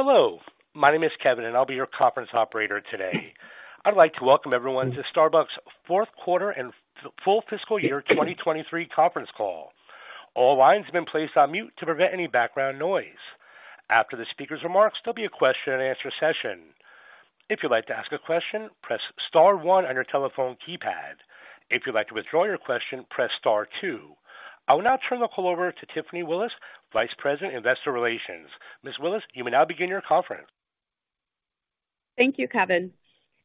Hello, my name is Kevin, and I'll be your conference operator today. I'd like to welcome everyone to Starbucks' Fourth Quarter and Full Fiscal Year 2023 Conference Call. All lines have been placed on mute to prevent any background noise. After the speaker's remarks, there'll be a question-and-answer session. If you'd like to ask a question, press star one on your telephone keypad. If you'd like to withdraw your question, press star two. I will now turn the call over to Tiffany Willis, Vice President, Investor Relations. Ms. Willis, you may now begin your conference. Thank you, Kevin,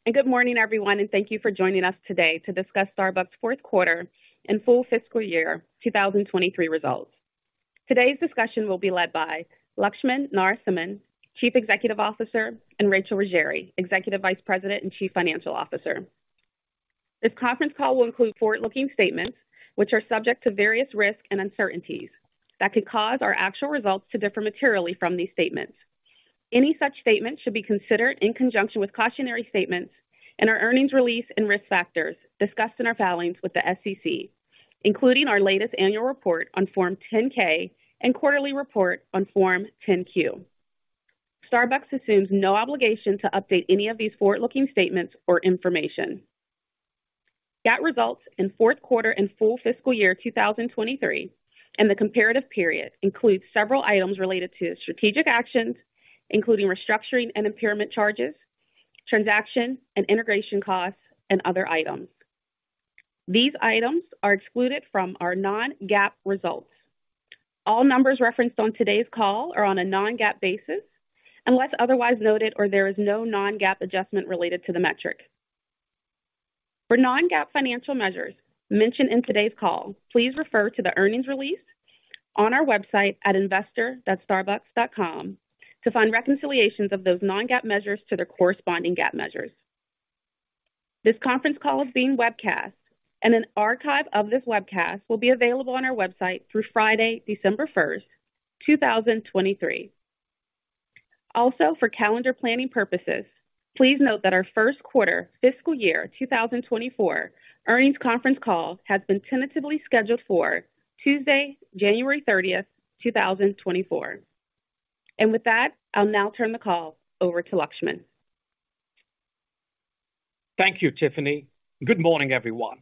and good morning, everyone, and thank you for joining us today to discuss Starbucks' Fourth Quarter and Full Fiscal Year 2023 Results. Today's discussion will be led by Laxman Narasimhan, Chief Executive Officer, and Rachel Ruggeri, Executive Vice President and Chief Financial Officer. This conference call will include forward-looking statements, which are subject to various risks and uncertainties that could cause our actual results to differ materially from these statements. Any such statements should be considered in conjunction with cautionary statements in our earnings release and risk factors discussed in our filings with the SEC, including our latest annual report on Form 10-K and quarterly report on Form 10-Q. Starbucks assumes no obligation to update any of these forward-looking statements or information. GAAP results in fourth quarter and full fiscal year 2023 and the comparative period includes several items related to strategic actions, including restructuring and impairment charges, transaction and integration costs, and other items. These items are excluded from our non-GAAP results. All numbers referenced on today's call are on a non-GAAP basis, unless otherwise noted or there is no non-GAAP adjustment related to the metric. For non-GAAP financial measures mentioned in today's call, please refer to the earnings release on our website at investor.starbucks.com to find reconciliations of those non-GAAP measures to their corresponding GAAP measures. This conference call is being webcast, and an archive of this webcast will be available on our website through Friday, December 1, 2023. Also, for calendar planning purposes, please note that our first quarter fiscal year 2024 earnings conference call has been tentatively scheduled for Tuesday, January 30, 2024. With that, I'll now turn the call over to Laxman. Thank you, Tiffany. Good morning, everyone.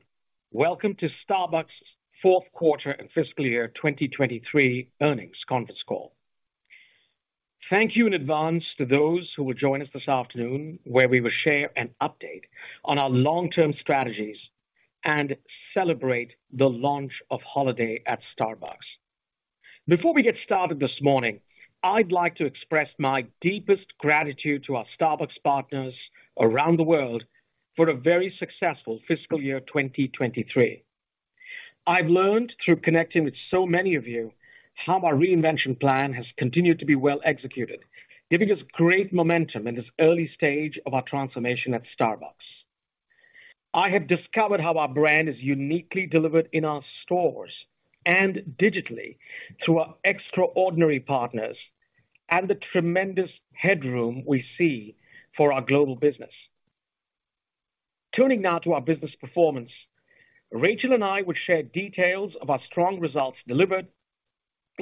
Welcome to Starbucks' fourth quarter and fiscal year 2023 earnings conference call. Thank you in advance to those who will join us this afternoon, where we will share an update on our long-term strategies and celebrate the launch of holiday at Starbucks. Before we get started this morning, I'd like to express my deepest gratitude to our Starbucks partners around the world for a very successful fiscal year 2023. I've learned through connecting with so many of you how our reinvention plan has continued to be well executed, giving us great momentum in this early stage of our transformation at Starbucks. I have discovered how our brand is uniquely delivered in our stores and digitally through our extraordinary partners and the tremendous headroom we see for our global business. Turning now to our business performance, Rachel and I will share details of our strong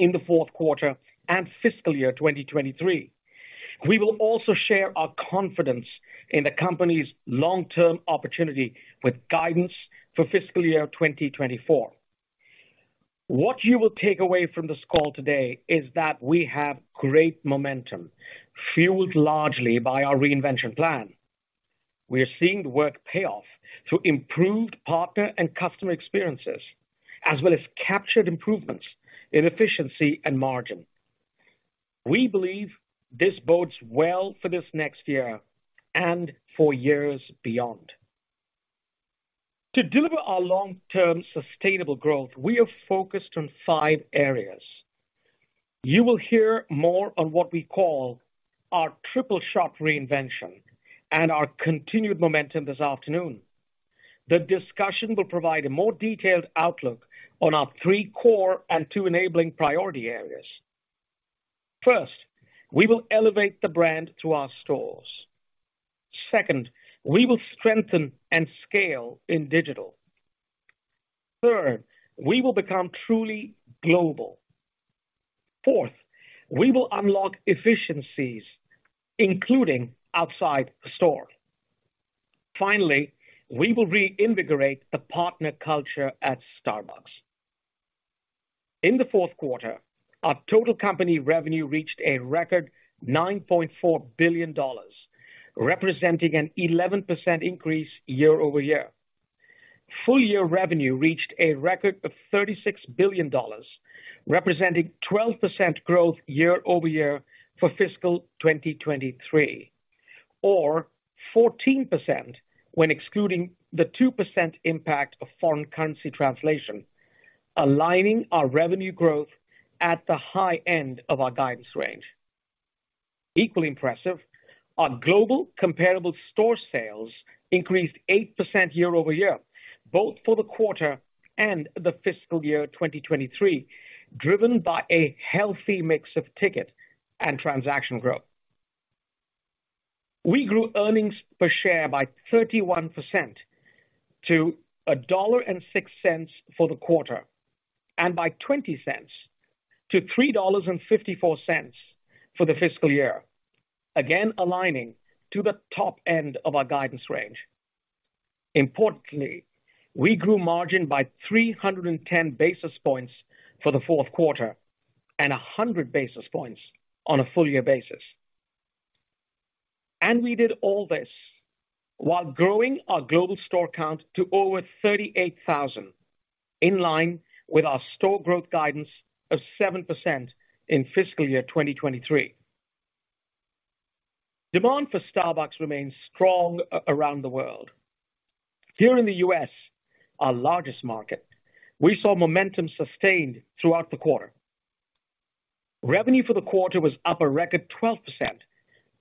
results delivered in the fourth quarter and fiscal year 2023. We will also share our confidence in the company's long-term opportunity with guidance for fiscal year 2024. What you will take away from this call today is that we have great momentum, fueled largely by our reinvention plan. We are seeing the work pay off through improved partner and customer experiences, as well as captured improvements in efficiency and margin. We believe this bodes well for this next year and for years beyond. To deliver our long-term sustainable growth, we are focused on five areas. You will hear more on what we call our Triple Shot Reinvention and our continued momentum this afternoon. The discussion will provide a more detailed outlook on our three core and two enabling priority areas. First, we will elevate the brand through our stores. Second, we will strengthen and scale in digital. Third, we will become truly global. Fourth, we will unlock efficiencies, including outside the store. Finally, we will reinvigorate the partner culture at Starbucks. In the fourth quarter, our total company revenue reached a record $9.4 billion, representing an 11% increase year-over-year. Full year revenue reached a record of $36 billion, representing 12% growth year-over-year for fiscal 2023, or 14% when excluding the 2% impact of foreign currency translation, aligning our revenue growth at the high end of our guidance range. Equally impressive, our global comparable store sales increased 8% year-over-year, both for the quarter and the fiscal year 2023, driven by a healthy mix of ticket and transaction growth. We grew earnings per share by 31% to $1.06 for the quarter, and by $0.20-$3.54 for the fiscal year. Again, aligning to the top end of our guidance range. Importantly, we grew margin by 310 basis points for the fourth quarter and 100 basis points on a full year basis. And we did all this while growing our global store count to over 38,000, in line with our store growth guidance of 7% in fiscal year 2023. Demand for Starbucks remains strong around the world. Here in the U.S., our largest market, we saw momentum sustained throughout the quarter. Revenue for the quarter was up a record 12%,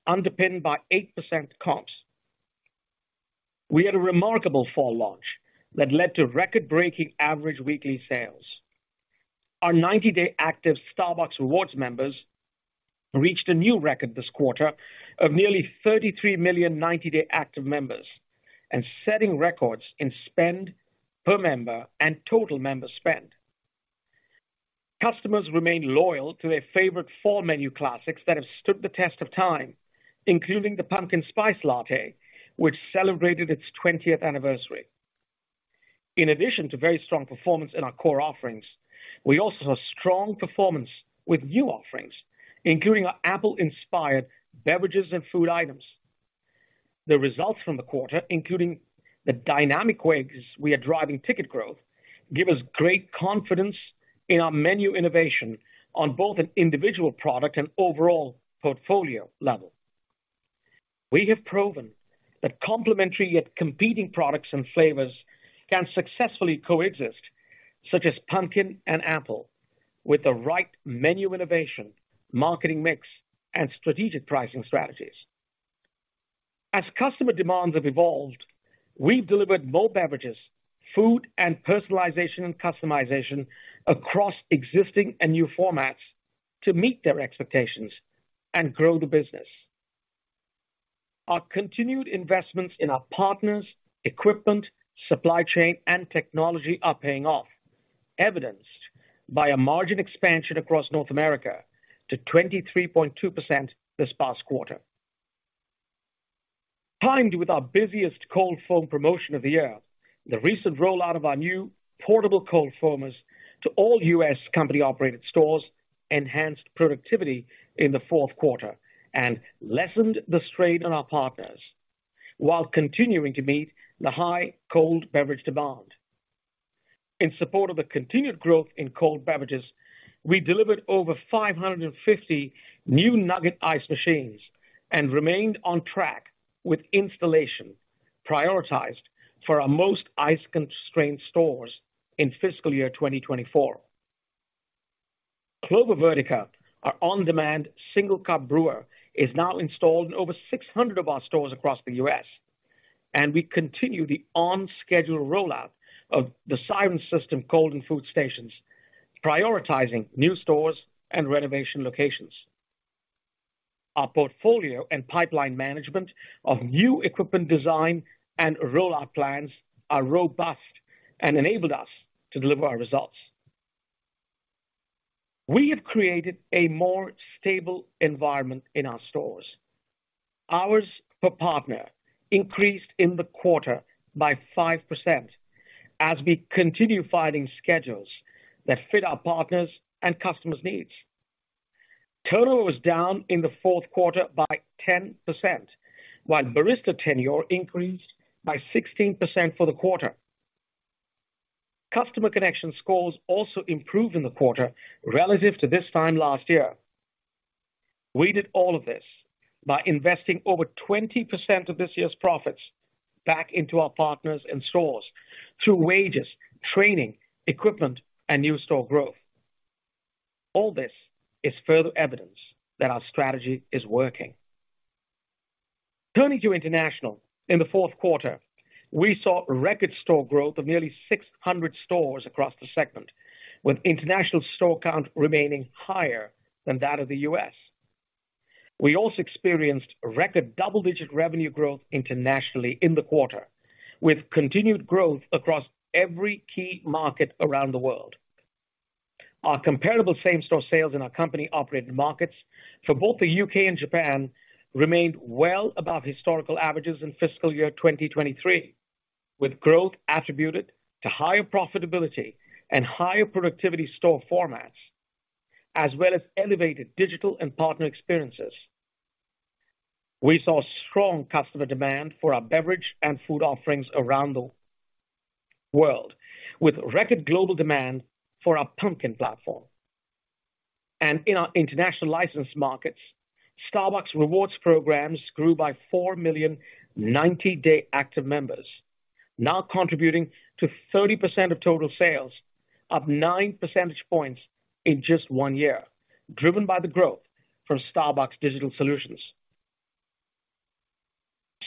underpinned by 8% comps. We had a remarkable fall launch that led to record-breaking average weekly sales. Our 90-day active Starbucks Rewards members reached a new record this quarter of nearly 33 million 90-day active members, and setting records in spend per member and total member spend. Customers remained loyal to their favorite fall menu classics that have stood the test of time, including the Pumpkin Spice Latte, which celebrated its 20th anniversary. In addition to very strong performance in our core offerings, we also saw strong performance with new offerings, including our apple-inspired beverages and food items. The results from the quarter, including the dynamic ways we are driving ticket growth, give us great confidence in our menu innovation on both an individual product and overall portfolio level. We have proven that complementary yet competing products and flavors can successfully coexist, such as pumpkin and apple, with the right menu innovation, marketing mix, and strategic pricing strategies. As customer demands have evolved, we've delivered more beverages, food, and personalization and customization across existing and new formats to meet their expectations and grow the business. Our continued investments in our partners, equipment, supply chain, and technology are paying off, evidenced by a margin expansion across North America to 23.2% this past quarter. Timed with our busiest cold foam promotion of the year, the recent rollout of our new portable cold foamers to all U.S. company-operated stores enhanced productivity in the fourth quarter and lessened the strain on our partners, while continuing to meet the high cold beverage demand. In support of the continued growth in cold beverages, we delivered over 550 new nugget ice machines and remained on track with installation, prioritized for our most ice-constrained stores in fiscal year 2024. Clover Vertica, our on-demand single cup brewer, is now installed in over 600 of our stores across the U.S., and we continue the on-schedule rollout of the Siren System cold and food stations, prioritizing new stores and renovation locations. Our portfolio and pipeline management of new equipment design and rollout plans are robust and enabled us to deliver our results. We have created a more stable environment in our stores. Hours per partner increased in the quarter by 5% as we continue finding schedules that fit our partners' and customers' needs. Turnover was down in the fourth quarter by 10%, while barista tenure increased by 16% for the quarter. Customer connection scores also improved in the quarter relative to this time last year. We did all of this by investing over 20% of this year's profits back into our partners and stores through wages, training, equipment, and new store growth. All this is further evidence that our strategy is working. Turning to international, in the fourth quarter, we saw record store growth of nearly 600 stores across the segment, with international store count remaining higher than that of the U.S. We also experienced record double-digit revenue growth internationally in the quarter, with continued growth across every key market around the world. Our comparable same-store sales in our company-operated markets for both the U.K. and Japan remained well above historical averages in fiscal year 2023, with growth attributed to higher profitability and higher productivity store formats, as well as elevated digital and partner experiences. We saw strong customer demand for our beverage and food offerings around the world, with record global demand for our pumpkin platform. In our international licensed markets, Starbucks Rewards programs grew by 4 million 90-day active members, now contributing to 30% of total sales, up 9 percentage points in just one year, driven by the growth from Starbucks Digital Solutions...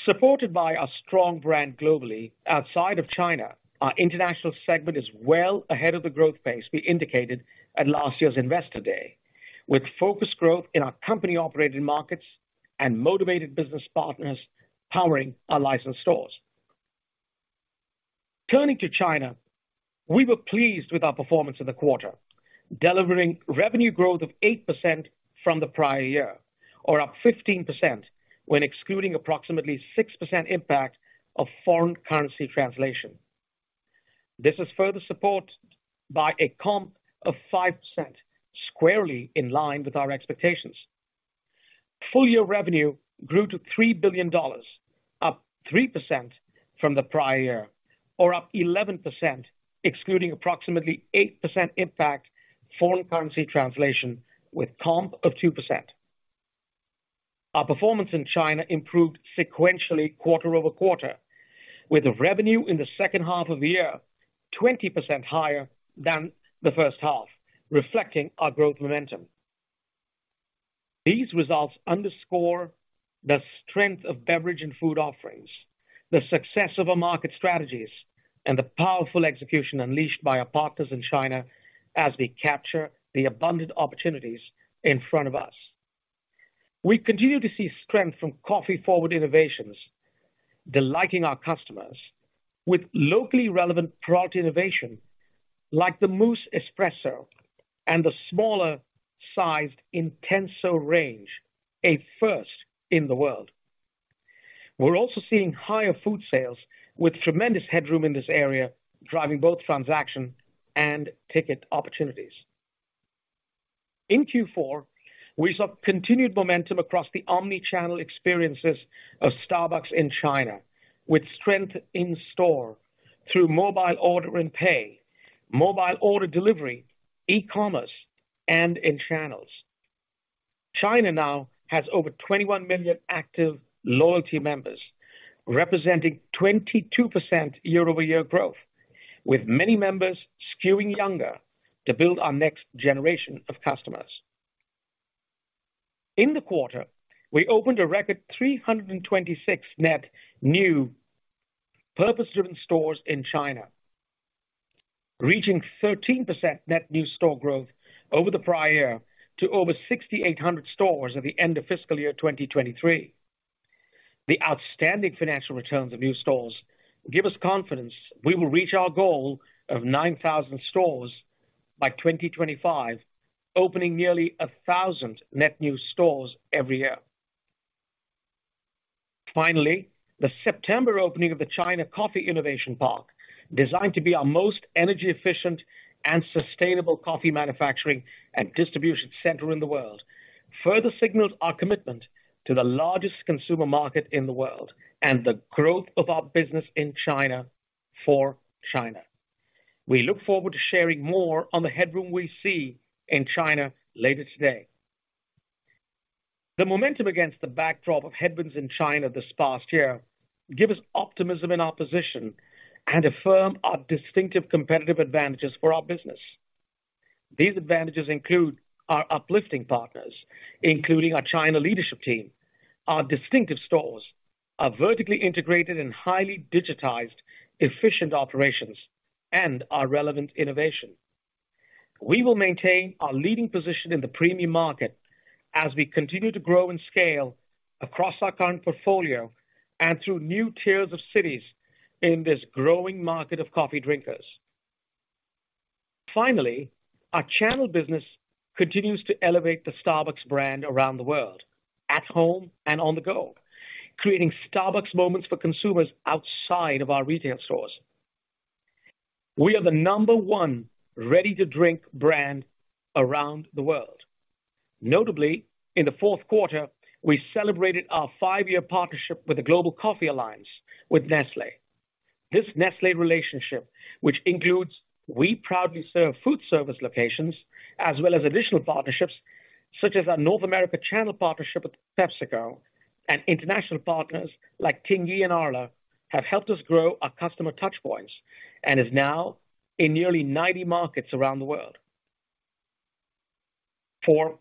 Supported by our strong brand globally, outside of China, our International segment is well ahead of the growth pace we indicated at last year's Investor Day, with focused growth in our company-operated markets and motivated business partners powering our licensed stores. Turning to China, we were pleased with our performance in the quarter, delivering revenue growth of 8% from the prior year, or up 15% when excluding approximately 6% impact of foreign currency translation. This is further supported by a comp of 5%, squarely in line with our expectations. Full year revenue grew to $3 billion, up 3% from the prior year, or up 11%, excluding approximately 8% impact foreign currency translation with comp of 2%. Our performance in China improved sequentially quarter-over-quarter, with revenue in the second half of the year 20% higher than the first half, reflecting our growth momentum. These results underscore the strength of beverage and food offerings, the success of our market strategies, and the powerful execution unleashed by our partners in China as we capture the abundant opportunities in front of us. We continue to see strength from coffee-forward innovations, delighting our customers with locally relevant product innovation, like the Mousse Espresso and the smaller sized Intenso range, a first in the world. We're also seeing higher food sales with tremendous headroom in this area, driving both transaction and ticket opportunities. In Q4, we saw continued momentum across the omni-channel experiences of Starbucks in China, with strength in store through Mobile Order and Pay, mobile order delivery, e-commerce, and in channels. China now has over 21 million active loyalty members, representing 22% year-over-year growth, with many members skewing younger to build our next generation of customers. In the quarter, we opened a record 326 net new purpose-driven stores in China, reaching 13% net new store growth over the prior year to over 6,800 stores at the end of fiscal year 2023. The outstanding financial returns of new stores give us confidence we will reach our goal of 9,000 stores by 2025, opening nearly 1,000 net new stores every year. Finally, the September opening of the China Coffee Innovation Park, designed to be our most energy-efficient and sustainable coffee manufacturing and distribution center in the world, further signals our commitment to the largest consumer market in the world and the growth of our business in China for China. We look forward to sharing more on the headroom we see in China later today. The momentum against the backdrop of headwinds in China this past year give us optimism in our position and affirm our distinctive competitive advantages for our business. These advantages include our uplifting partners, including our China leadership team, our distinctive stores, our vertically integrated and highly digitized, efficient operations, and our relevant innovation. We will maintain our leading position in the premium market as we continue to grow and scale across our current portfolio and through new tiers of cities in this growing market of coffee drinkers. Finally, our channel business continues to elevate the Starbucks brand around the world, at home and on the go, creating Starbucks moments for consumers outside of our retail stores. We are the number one ready-to-drink brand around the world. Notably, in the fourth quarter, we celebrated our five-year partnership with the Global Coffee Alliance with Nestlé. This Nestlé relationship, which includes We Proudly Serve foodservice locations, as well as additional partnerships such as our North America channel partnership with PepsiCo and international partners like Tingyi and Arla, have helped us grow our customer touchpoints and is now in nearly 90 markets around the world. For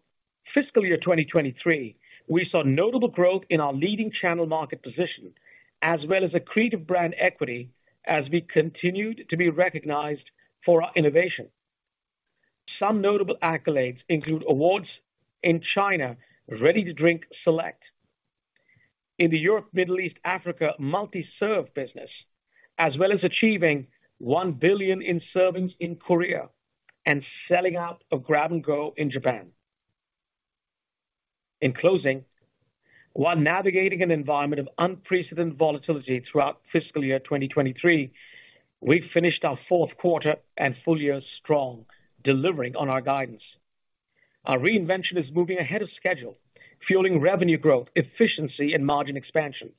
fiscal year 2023, we saw notable growth in our leading channel market position, as well as accretive brand equity as we continued to be recognized for our innovation. Some notable accolades include awards in China, Ready-to-Drink Select. In the Europe, Middle East, Africa, multi-serve business, as well as achieving 1 billion in servings in Korea and selling out of Grab & Go in Japan. In closing, while navigating an environment of unprecedented volatility throughout fiscal year 2023, we finished our fourth quarter and full year strong, delivering on our guidance. Our reinvention is moving ahead of schedule, fueling revenue growth, efficiency, and margin expansion.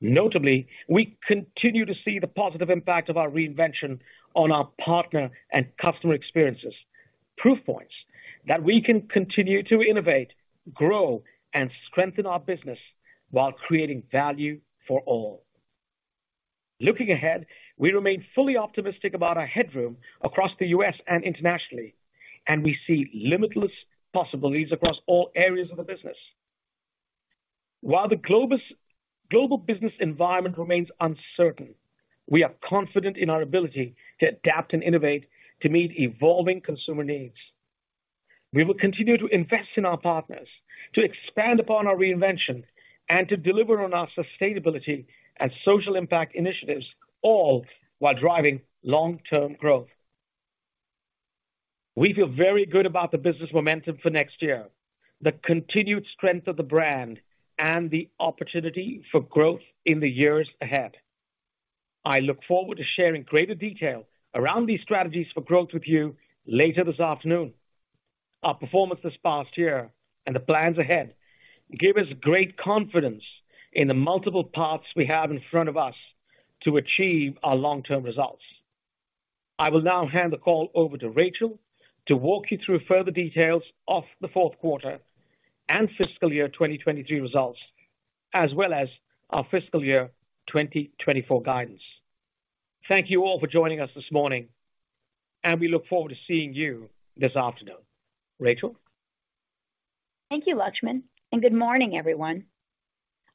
Notably, we continue to see the positive impact of our reinvention on our partner and customer experiences, proof points that we can continue to innovate, grow, and strengthen our business while creating value for all. Looking ahead, we remain fully optimistic about our headroom across the U.S. and internationally, and we see limitless possibilities across all areas of the business. While the global business environment remains uncertain, we are confident in our ability to adapt and innovate to meet evolving consumer needs. We will continue to invest in our partners, to expand upon our reinvention, and to deliver on our sustainability and social impact initiatives, all while driving long-term growth. We feel very good about the business momentum for next year, the continued strength of the brand, and the opportunity for growth in the years ahead. I look forward to sharing greater detail around these strategies for growth with you later this afternoon. Our performance this past year and the plans ahead give us great confidence in the multiple paths we have in front of us to achieve our long-term results. I will now hand the call over to Rachel to walk you through further details of the fourth quarter and fiscal year 2023 results, as well as our fiscal year 2024 guidance. Thank you all for joining us this morning, and we look forward to seeing you this afternoon. Rachel? Thank you, Laxman, and good morning, everyone.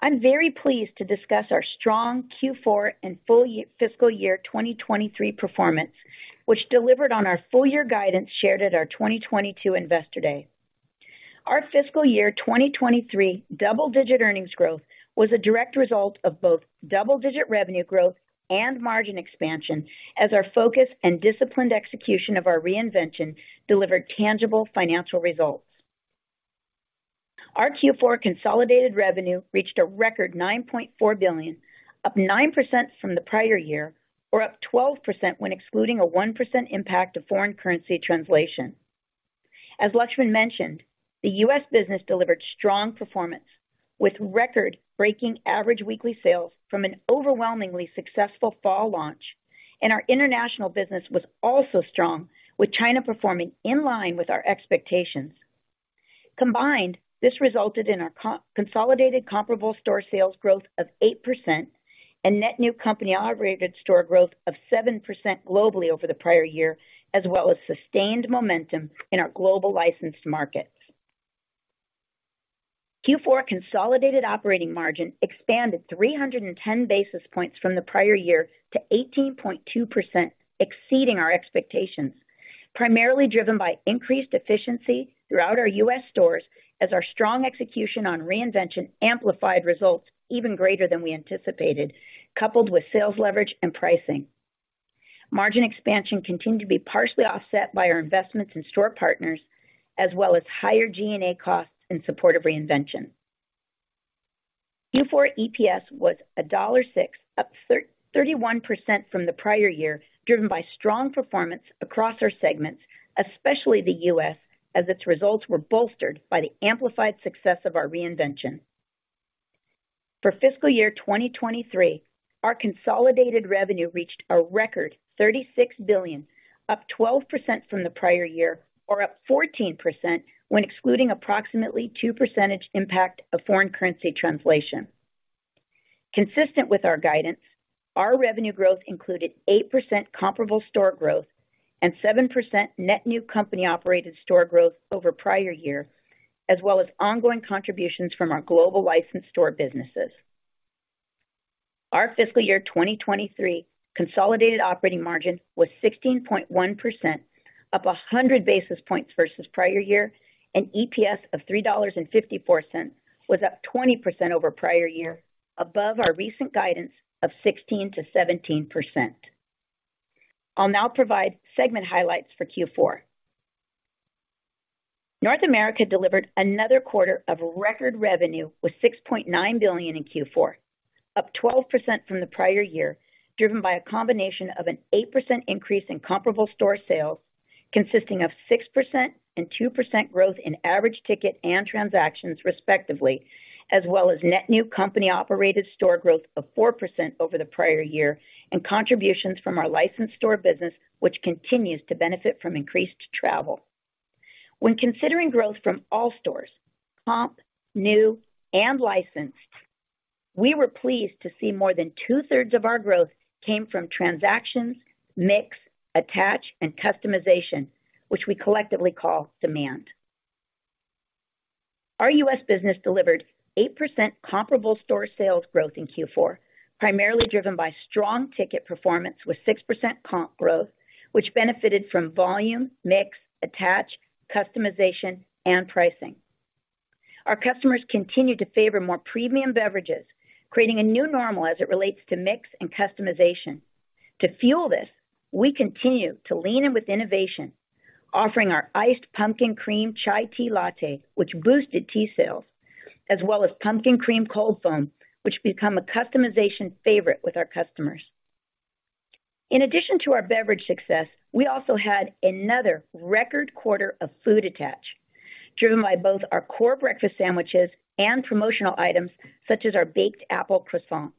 I'm very pleased to discuss our strong Q4 and full fiscal year 2023 performance, which delivered on our full year guidance shared at our 2022 Investor Day. Our fiscal year 2023 double-digit earnings growth was a direct result of both double-digit revenue growth and margin expansion, as our focus and disciplined execution of our reinvention delivered tangible financial results. Our Q4 consolidated revenue reached a record $9.4 billion, up 9% from the prior year, or up 12% when excluding a 1% impact of foreign currency translation. As Laxman mentioned, the U.S. business delivered strong performance, with record-breaking average weekly sales from an overwhelmingly successful fall launch, and our international business was also strong, with China performing in line with our expectations. Combined, this resulted in our consolidated comparable store sales growth of 8% and net new company-operated store growth of 7% globally over the prior year, as well as sustained momentum in our global licensed markets. Q4 consolidated operating margin expanded 300 basis points from the prior year to 18.2%, exceeding our expectations, primarily driven by increased efficiency throughout our U.S. stores as our strong execution on reinvention amplified results even greater than we anticipated, coupled with sales leverage and pricing. Margin expansion continued to be partially offset by our investments in store partners, as well as higher G&A costs in support of reinvention. Q4 EPS was $1.06, up 31% from the prior year, driven by strong performance across our segments, especially the U.S., as its results were bolstered by the amplified success of our reinvention. For fiscal year 2023, our consolidated revenue reached a record $36 billion, up 12% from the prior year, or up 14% when excluding approximately 2% impact of foreign currency translation. Consistent with our guidance, our revenue growth included 8% comparable store growth and 7% net new company-operated store growth over prior year, as well as ongoing contributions from our global licensed store businesses. Our fiscal year 2023 consolidated operating margin was 16.1%, up 100 basis points versus prior year, and EPS of $3.54, was up 20% over prior year, above our recent guidance of 16%-17%. I'll now provide segment highlights for Q4. North America delivered another quarter of record revenue with $6.9 billion in Q4, up 12% from the prior year, driven by a combination of an 8% increase in comparable store sales, consisting of 6% and 2% growth in average ticket and transactions, respectively, as well as net new company-operated store growth of 4% over the prior year, and contributions from our licensed store business, which continues to benefit from increased travel. When considering growth from all stores, comp, new, and licensed, we were pleased to see more than two-thirds of our growth came from transactions, mix, attach, and customization, which we collectively call demand. Our U.S. business delivered 8% comparable store sales growth in Q4, primarily driven by strong ticket performance with 6% comp growth, which benefited from volume, mix, attach, customization, and pricing. Our customers continued to favor more premium beverages, creating a new normal as it relates to mix and customization. To fuel this, we continue to lean in with innovation, offering our Iced Pumpkin Cream Chai Tea Latte, which boosted tea sales, as well as Pumpkin Cream Cold Foam, which became a customization favorite with our customers. In addition to our beverage success, we also had another record quarter of food attach, driven by both our core breakfast sandwiches and promotional items such as our Baked Apple Croissant.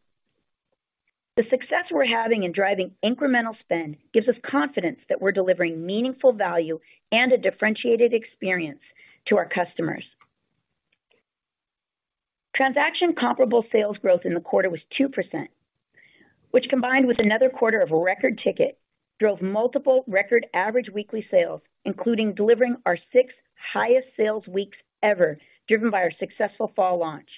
The success we're having in driving incremental spend gives us confidence that we're delivering meaningful value and a differentiated experience to our customers. Transaction comparable sales growth in the quarter was 2%, which, combined with another quarter of record ticket, drove multiple record average weekly sales, including delivering our sixth highest sales weeks ever, driven by our successful fall launch.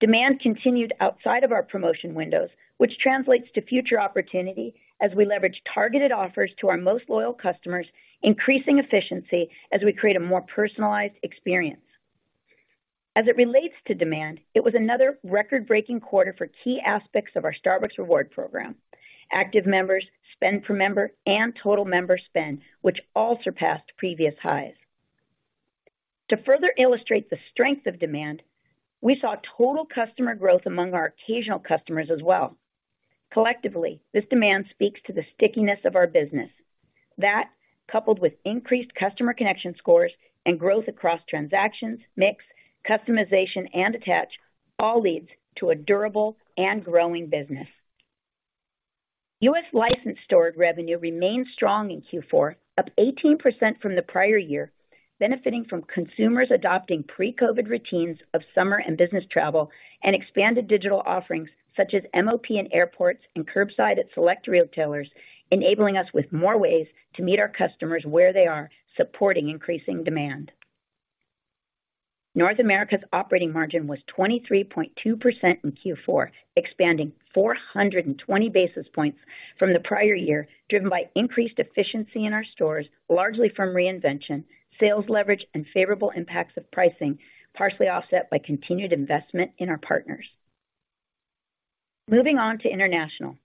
Demand continued outside of our promotion windows, which translates to future opportunity as we leverage targeted offers to our most loyal customers, increasing efficiency as we create a more personalized experience. As it relates to demand, it was another record-breaking quarter for key aspects of our Starbucks Rewards program. Active members, spend per member, and total member spend, which all surpassed previous highs. To further illustrate the strength of demand, we saw total customer growth among our occasional customers as well. Collectively, this demand speaks to the stickiness of our business. That, coupled with increased customer connection scores and growth across transactions, mix, customization, and attach, all leads to a durable and growing business. U.S. licensed store revenue remained strong in Q4, up 18% from the prior year, benefiting from consumers adopting pre-COVID routines of summer and business travel, and expanded digital offerings such as MOP in airports and curbside at select retailers, enabling us with more ways to meet our customers where they are, supporting increasing demand. North America's operating margin was 23.2% in Q4, expanding 420 basis points from the prior year, driven by increased efficiency in our stores, largely from reinvention, sales leverage, and favorable impacts of pricing, partially offset by continued investment in our partners. Moving on to international.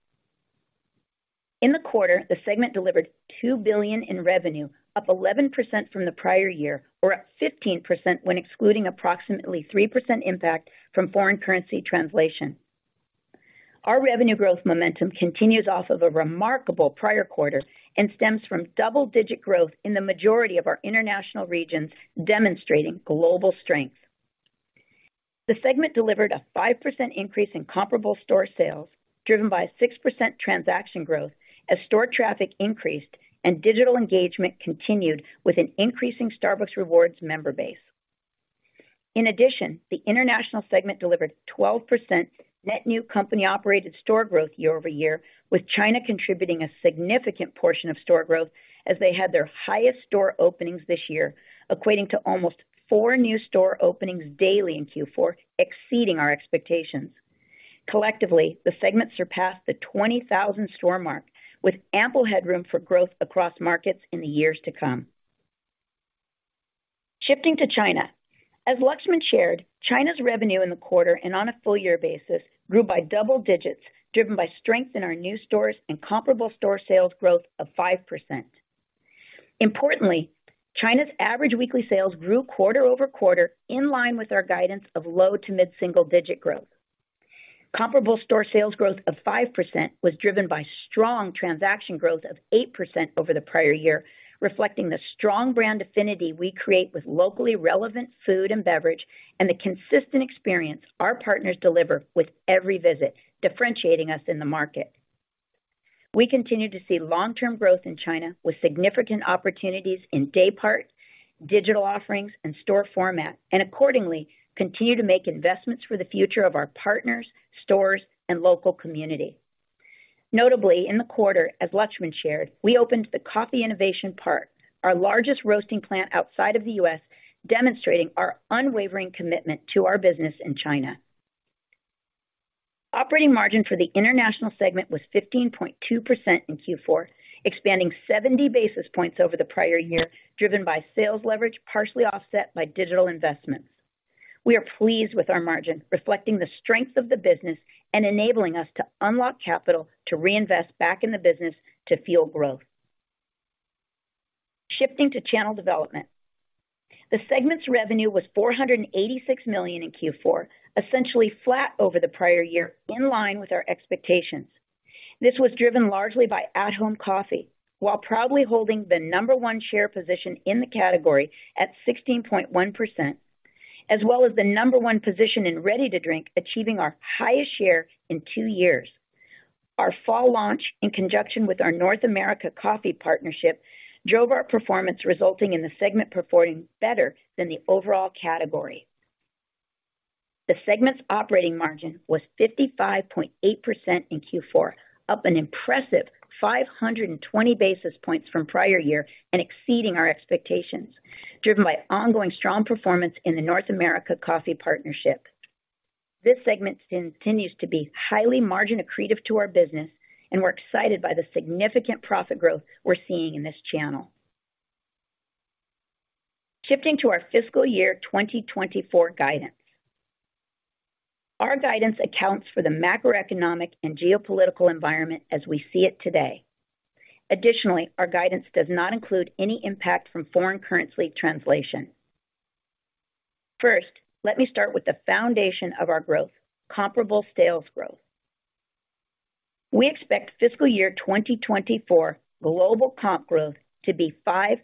In the quarter, the segment delivered $2 billion in revenue, up 11% from the prior year, or up 15% when excluding approximately 3% impact from foreign currency translation. Our revenue growth momentum continues off of a remarkable prior quarter and stems from double-digit growth in the majority of our international regions, demonstrating global strength. The segment delivered a 5% increase in comparable store sales, driven by a 6% transaction growth as store traffic increased and digital engagement continued with an increasing Starbucks Rewards member base. In addition, the International segment delivered 12% net new company-operated store growth year-over-year, with China contributing a significant portion of store growth as they had their highest store openings this year, equating to almost four new store openings daily in Q4, exceeding our expectations. Collectively, the segment surpassed the 20,000 store mark, with ample headroom for growth across markets in the years to come. Shifting to China. As Laxman shared, China's revenue in the quarter and on a full year basis grew by double digits, driven by strength in our new stores and comparable store sales growth of 5%. Importantly, China's average weekly sales grew quarter-over-quarter, in line with our guidance of low- to mid-single-digit growth. Comparable store sales growth of 5% was driven by strong transaction growth of 8% over the prior year, reflecting the strong brand affinity we create with locally relevant food and beverage and the consistent experience our partners deliver with every visit, differentiating us in the market. We continue to see long-term growth in China with significant opportunities in day part, digital offerings, and store format, and accordingly, continue to make investments for the future of our partners, stores, and local community. Notably, in the quarter, as Laxman shared, we opened the Coffee Innovation Park, our largest roasting plant outside of the U.S., demonstrating our unwavering commitment to our business in China. Operating margin for the International segment was 15.2% in Q4, expanding 70 basis points over the prior year, driven by sales leverage, partially offset by digital investments. We are pleased with our margin, reflecting the strength of the business and enabling us to unlock capital to reinvest back in the business to fuel growth. Shifting to channel development. The segment's revenue was $486 million in Q4, essentially flat over the prior year, in line with our expectations. This was driven largely by at-home coffee, while proudly holding the number one share position in the category at 16.1%, as well as the number one position in ready-to-drink, achieving our highest share in two years. Our fall launch, in conjunction with our North America Coffee Partnership, drove our performance, resulting in the segment performing better than the overall category. The segment's operating margin was 55.8% in Q4, up an impressive 520 basis points from prior year and exceeding our expectations, driven by ongoing strong performance in the North America Coffee Partnership. This segment continues to be highly margin accretive to our business, and we're excited by the significant profit growth we're seeing in this channel. Shifting to our fiscal year 2024 guidance. Our guidance accounts for the macroeconomic and geopolitical environment as we see it today. Additionally, our guidance does not include any impact from foreign currency translation. First, let me start with the foundation of our growth, comparable sales growth. We expect fiscal year 2024 global comp growth to be 5%-7%.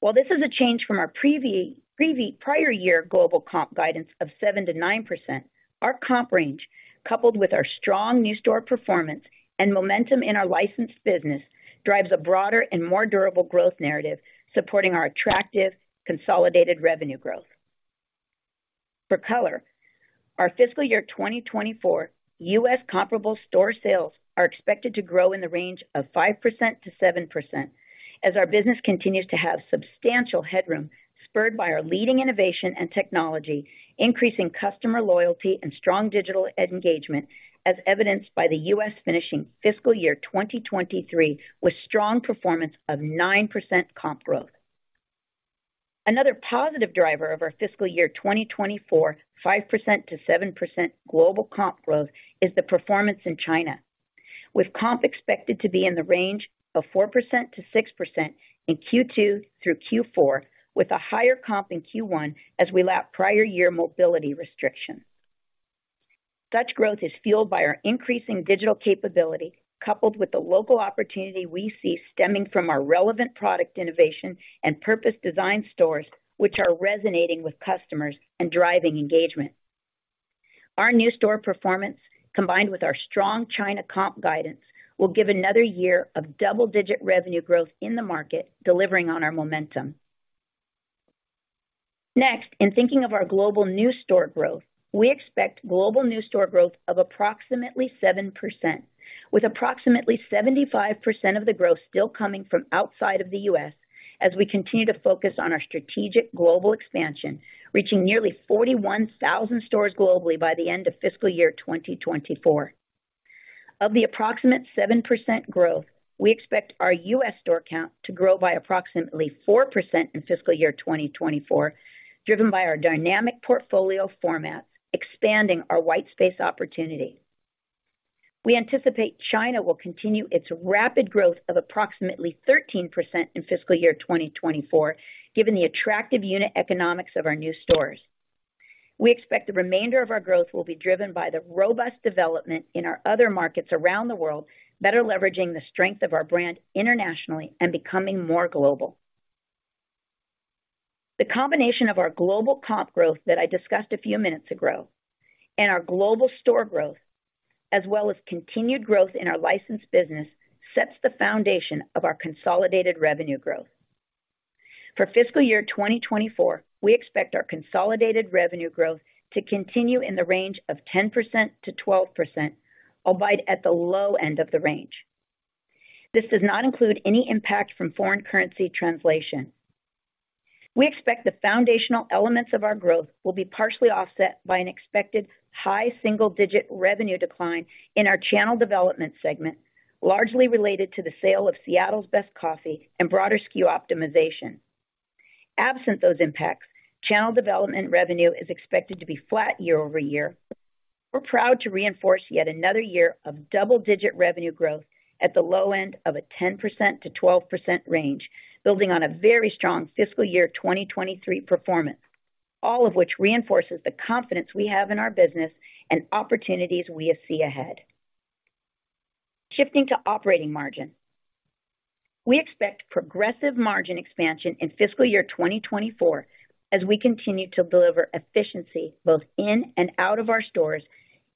While this is a change from our prior year global comp guidance of 7%-9%, our comp range, coupled with our strong new store performance and momentum in our licensed business, drives a broader and more durable growth narrative, supporting our attractive, consolidated revenue growth. For color, our fiscal year 2024, U.S. comparable store sales are expected to grow in the range of 5%-7%, as our business continues to have substantial headroom, spurred by our leading innovation and technology, increasing customer loyalty and strong digital engagement, as evidenced by the U.S. finishing fiscal year 2023 with strong performance of 9% comp growth. Another positive driver of our fiscal year 2024, 5%-7% global comp growth, is the performance in China, with comp expected to be in the range of 4%-6% in Q2 through Q4, with a higher comp in Q1 as we lap prior year mobility restriction. Such growth is fueled by our increasing digital capability, coupled with the local opportunity we see stemming from our relevant product innovation and purpose design stores, which are resonating with customers and driving engagement. Our new store performance, combined with our strong China comp guidance, will give another year of double-digit revenue growth in the market, delivering on our momentum. Next, in thinking of our global new store growth, we expect global new store growth of approximately 7%, with approximately 75% of the growth still coming from outside of the U.S., as we continue to focus on our strategic global expansion, reaching nearly 41,000 stores globally by the end of fiscal year 2024. Of the approximate 7% growth, we expect our U.S. store count to grow by approximately 4% in fiscal year 2024, driven by our dynamic portfolio format, expanding our white space opportunity. We anticipate China will continue its rapid growth of approximately 13% in fiscal year 2024, given the attractive unit economics of our new stores. We expect the remainder of our growth will be driven by the robust development in our other markets around the world, better leveraging the strength of our brand internationally and becoming more global. The combination of our global comp growth that I discussed a few minutes ago and our global store growth, as well as continued growth in our licensed business, sets the foundation of our consolidated revenue growth. For fiscal year 2024, we expect our consolidated revenue growth to continue in the range of 10%-12%, albeit at the low end of the range. This does not include any impact from foreign currency translation. We expect the foundational elements of our growth will be partially offset by an expected high single-digit revenue decline in our Channel Development segment, largely related to the sale of Seattle's Best Coffee and broader SKU optimization. Absent those impacts, channel development revenue is expected to be flat year-over-year. We're proud to reinforce yet another year of double-digit revenue growth at the low end of a 10%-12% range, building on a very strong fiscal year 2023 performance, all of which reinforces the confidence we have in our business and opportunities we see ahead. Shifting to operating margin. We expect progressive margin expansion in fiscal year 2024 as we continue to deliver efficiency both in and out of our stores,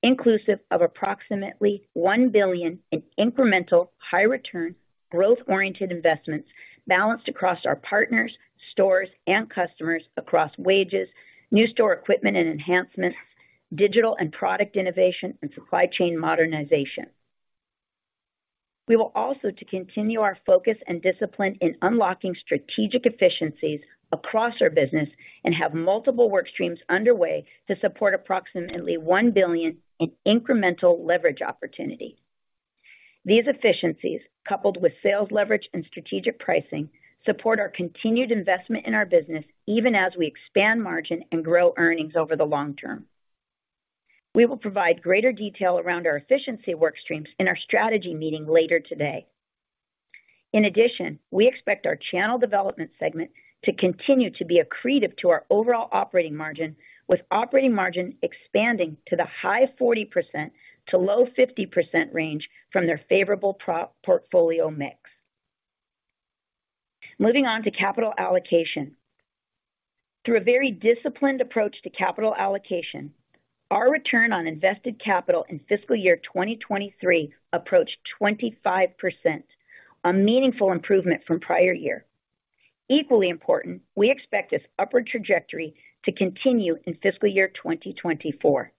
inclusive of approximately $1 billion in incremental, high return, growth-oriented investments balanced across our partners, stores, and customers across wages, new store equipment and enhancements, digital and product innovation, and supply chain modernization. We will also to continue our focus and discipline in unlocking strategic efficiencies across our business and have multiple work streams underway to support approximately $1 billion in incremental leverage opportunity. These efficiencies, coupled with sales leverage and strategic pricing, support our continued investment in our business, even as we expand margin and grow earnings over the long term. We will provide greater detail around our efficiency work streams in our strategy meeting later today. In addition, we expect our Channel Development segment to continue to be accretive to our overall operating margin, with operating margin expanding to the high 40%-low 50% range from their favorable product portfolio mix. Moving on to capital allocation. Through a very disciplined approach to capital allocation, our return on invested capital in fiscal year 2023 approached 25%, a meaningful improvement from prior year. Equally important, we expect this upward trajectory to continue in fiscal year 2024.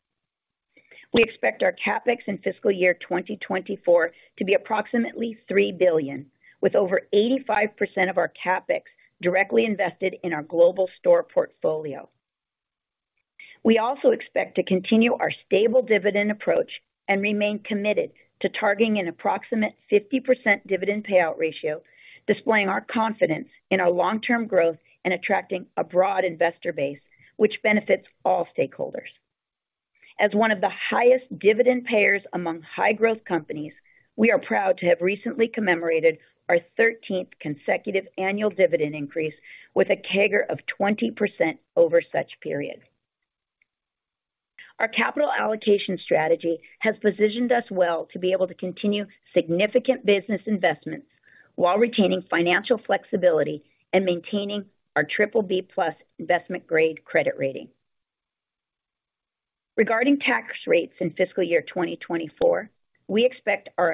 We expect our CapEx in fiscal year 2024 to be approximately $3 billion, with over 85% of our CapEx directly invested in our global store portfolio. We also expect to continue our stable dividend approach and remain committed to targeting an approximate 50% dividend payout ratio, displaying our confidence in our long-term growth and attracting a broad investor base, which benefits all stakeholders. As one of the highest dividend payers among high growth companies, we are proud to have recently commemorated our 13th consecutive annual dividend increase with a CAGR of 20% over such period. Our capital allocation strategy has positioned us well to be able to continue significant business investments while retaining financial flexibility and maintaining our BBB+ investment grade credit rating. Regarding tax rates in fiscal year 2024, we expect our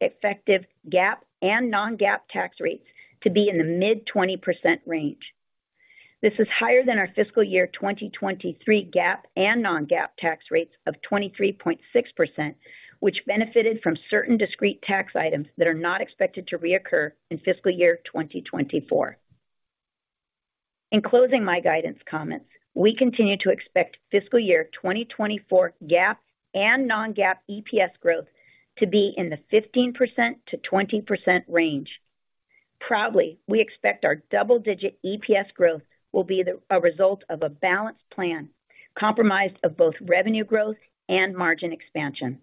effective GAAP and non-GAAP tax rates to be in the mid-20% range. This is higher than our fiscal year 2023 GAAP and non-GAAP tax rates of 23.6%, which benefited from certain discrete tax items that are not expected to reoccur in fiscal year 2024. In closing my guidance comments, we continue to expect fiscal year 2024 GAAP and non-GAAP EPS growth to be in the 15%-20% range. Proudly, we expect our double-digit EPS growth will be a result of a balanced plan comprised of both revenue growth and margin expansion.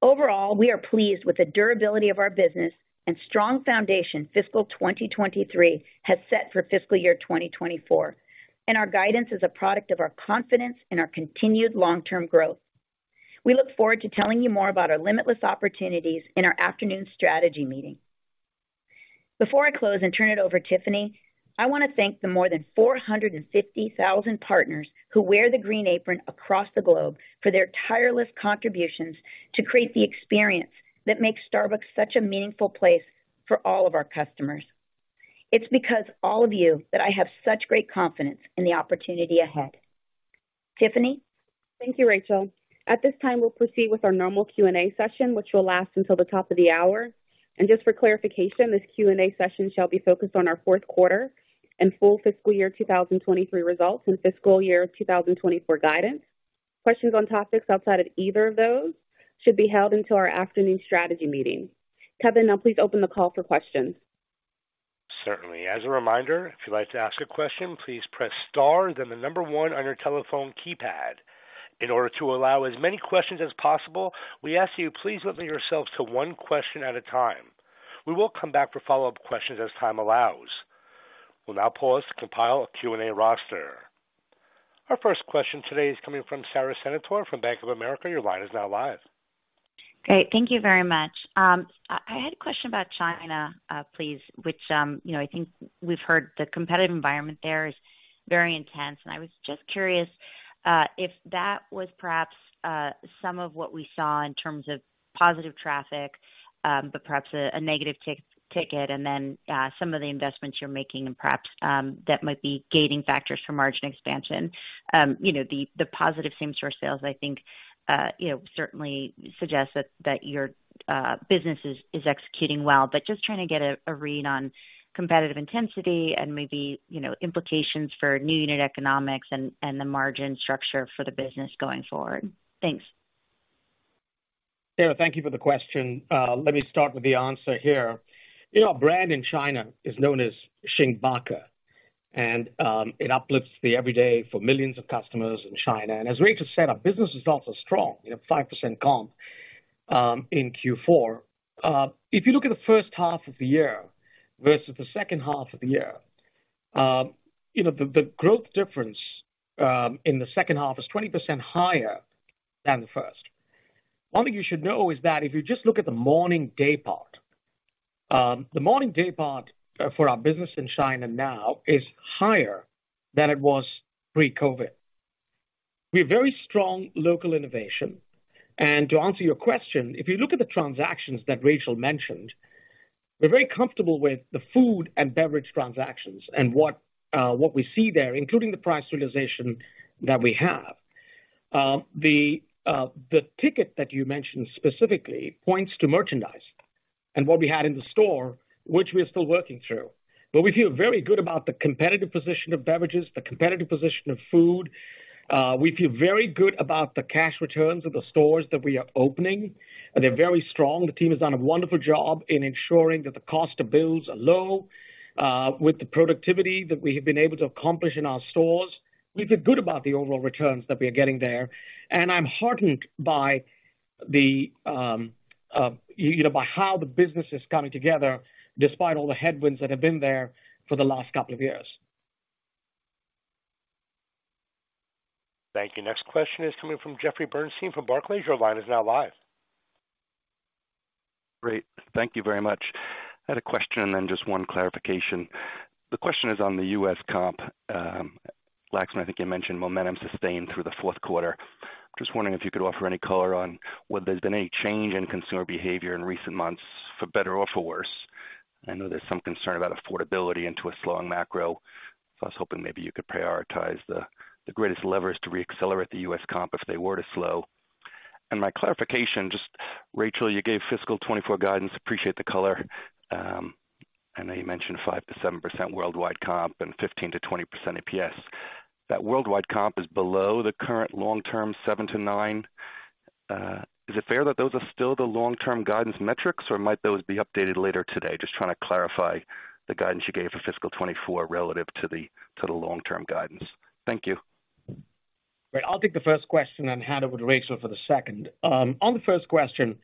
Overall, we are pleased with the durability of our business and strong foundation fiscal 2023 has set for fiscal year 2024, and our guidance is a product of our confidence in our continued long-term growth. We look forward to telling you more about our limitless opportunities in our afternoon strategy meeting. Before I close and turn it over to Tiffany, I want to thank the more than 450,000 partners who wear the Green Apron across the globe for their tireless contributions to create the experience that makes Starbucks such a meaningful place for all of our customers. It's because all of you that I have such great confidence in the opportunity ahead. Tiffany? Thank you, Rachel. At this time, we'll proceed with our normal Q&A session, which will last until the top of the hour. And just for clarification, this Q&A session shall be focused on our fourth quarter and full fiscal year 2023 results and fiscal year 2024 guidance. Questions on topics outside of either of those should be held until our afternoon strategy meeting. Kevin, now please open the call for questions. Certainly. As a reminder, if you'd like to ask a question, please press star, then the number one on your telephone keypad. In order to allow as many questions as possible, we ask you please limit yourselves to one question at a time. We will come back for follow-up questions as time allows. We'll now pause to compile a Q&A roster. Our first question today is coming from Sara Senatore, from Bank of America. Your line is now live. Great, thank you very much. I had a question about China, please, which, you know, I think we've heard the competitive environment there is very intense, and I was just curious if that was perhaps some of what we saw in terms of positive traffic, but perhaps a negative ticket, and then some of the investments you're making and perhaps that might be gating factors for margin expansion. You know, the positive same-store sales, I think, you know, certainly suggests that your business is executing well. But just trying to get a read on competitive intensity and maybe, you know, implications for new unit economics and the margin structure for the business going forward. Thanks. Sara, thank you for the question. Let me start with the answer here. You know, our brand in China is known as Xing Ba Ke, and it uplifts the everyday for millions of customers in China. And as Rachel said, our business results are strong, you know, 5% comp in Q4. If you look at the first half of the year versus the second half of the year, you know, the growth difference in the second half is 20% higher than the first. One thing you should know is that if you just look at the morning daypart, the morning daypart for our business in China now is higher than it was pre-COVID. We have very strong local innovation. To answer your question, if you look at the transactions that Rachel mentioned, we're very comfortable with the food and beverage transactions and what we see there, including the price realization that we have. The ticket that you mentioned specifically points to merchandise and what we had in the store, which we are still working through. But we feel very good about the competitive position of beverages, the competitive position of food. We feel very good about the cash returns of the stores that we are opening. They're very strong. The team has done a wonderful job in ensuring that the cost of builds are low, with the productivity that we have been able to accomplish in our stores. We feel good about the overall returns that we are getting there, and I'm heartened by the, you know, by how the business is coming together, despite all the headwinds that have been there for the last couple of years. Thank you. Next question is coming from Jeffrey Bernstein from Barclays. Your line is now live. Great. Thank you very much. I had a question and then just one clarification. The question is on the U.S. comp. Laxman, I think you mentioned momentum sustained through the fourth quarter. Just wondering if you could offer any color on whether there's been any change in consumer behavior in recent months, for better or for worse. I know there's some concern about affordability into a slowing macro, so I was hoping maybe you could prioritize the, the greatest levers to reaccelerate the U.S. comp if they were to slow. And my clarification, just Rachel, you gave fiscal 2024 guidance. Appreciate the color. I know you mentioned 5%-7% worldwide comp and 15%-20% EPS. That worldwide comp is below the current long-term 7%-9%. Is it fair that those are still the long-term guidance metrics, or might those be updated later today? Just trying to clarify the guidance you gave for fiscal 2024 relative to the long-term guidance. Thank you. Great. I'll take the first question and hand over to Rachel for the second. On the first question,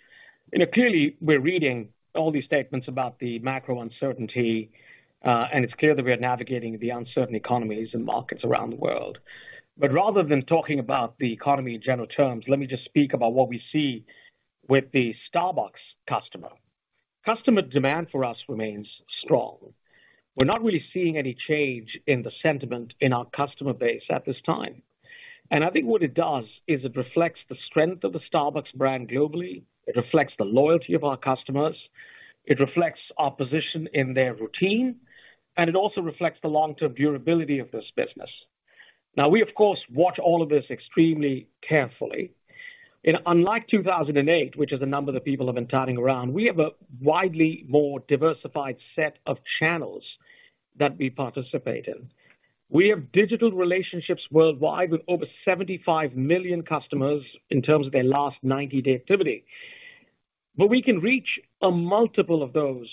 you know, clearly we're reading all these statements about the macro uncertainty, and it's clear that we are navigating the uncertain economies and markets around the world. But rather than talking about the economy in general terms, let me just speak about what we see with the Starbucks customer. Customer demand for us remains strong. We're not really seeing any change in the sentiment in our customer base at this time. And I think what it does is it reflects the strength of the Starbucks brand globally. It reflects the loyalty of our customers, it reflects our position in their routine, and it also reflects the long-term durability of this business. Now, we, of course, watch all of this extremely carefully. And unlike 2008, which is a number that people have been touting around, we have a widely more diversified set of channels that we participate in. We have digital relationships worldwide, with over 75 million customers in terms of their last 90-day activity, but we can reach a multiple of those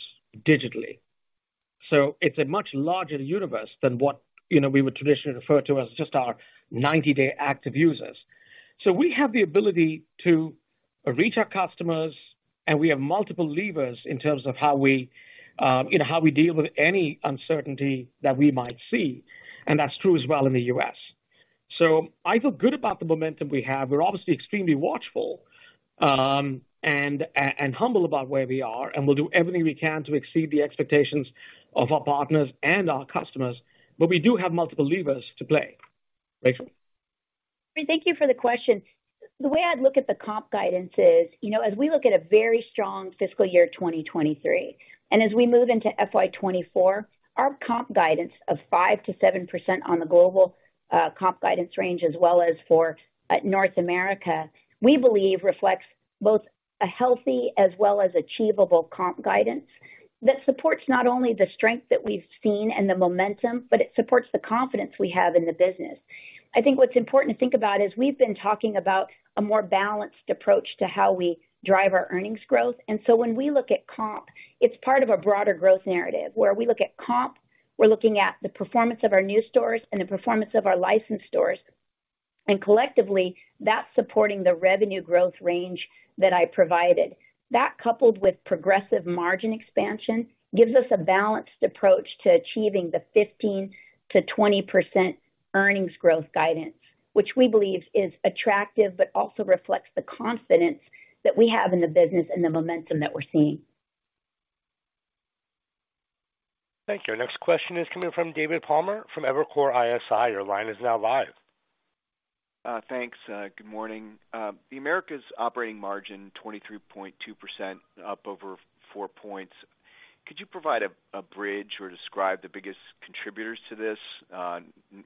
digitally. So it's a much larger universe than what, you know, we would traditionally refer to as just our 90-day active users. So we have the ability to reach our customers, and we have multiple levers in terms of how we, you know, how we deal with any uncertainty that we might see, and that's true as well in the U.S. So I feel good about the momentum we have. We're obviously extremely watchful, and humble about where we are, and we'll do everything we can to exceed the expectations of our partners and our customers, but we do have multiple levers to play. Rachel? Thank you for the question. The way I'd look at the comp guidance is, you know, as we look at a very strong fiscal year 2023, and as we move into FY 2024, our comp guidance of 5%-7% on the global comp guidance range, as well as for North America, we believe reflects both a healthy as well as achievable comp guidance that supports not only the strength that we've seen and the momentum, but it supports the confidence we have in the business. I think what's important to think about is we've been talking about a more balanced approach to how we drive our earnings growth. So when we look at comp, it's part of a broader growth narrative, where we look at comp, we're looking at the performance of our new stores and the performance of our licensed stores, and collectively, that's supporting the revenue growth range that I provided. That, coupled with progressive margin expansion, gives us a balanced approach to achieving the 15%-20% earnings growth guidance, which we believe is attractive, but also reflects the confidence that we have in the business and the momentum that we're seeing. Thank you. Our next question is coming from David Palmer, from Evercore ISI. Your line is now live. Thanks. Good morning. The Americas operating margin, 23.2%, up over four points. Could you provide a bridge or describe the biggest contributors to this?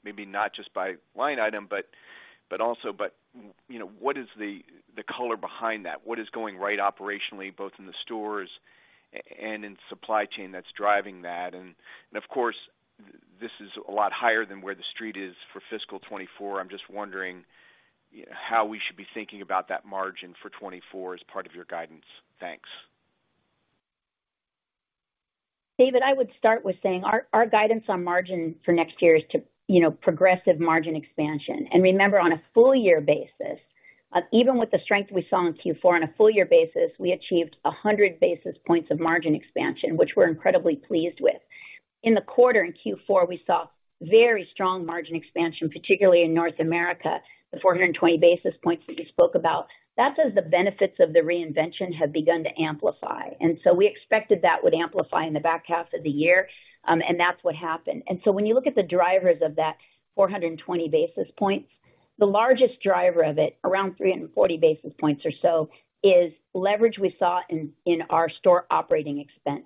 Maybe not just by line item, but also, you know, what is the color behind that? What is going right operationally, both in the stores and in supply chain, that's driving that? And of course, this is a lot higher than where the Street is for fiscal 2024. I'm just wondering, how we should be thinking about that margin for 2024 as part of your guidance. Thanks. David, I would start with saying our guidance on margin for next year is, you know, progressive margin expansion. And remember, on a full year basis, even with the strength we saw in Q4, on a full year basis, we achieved 100 basis points of margin expansion, which we're incredibly pleased with. In the quarter, in Q4, we saw very strong margin expansion, particularly in North America, the 420 basis points that you spoke about. That's as the benefits of the reinvention have begun to amplify, and so we expected that would amplify in the back half of the year, and that's what happened. And so when you look at the drivers of that 420 basis points, the largest driver of it, around 340 basis points or so, is leverage we saw in our store operating expense.